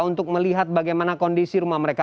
untuk melihat bagaimana kondisi rumah mereka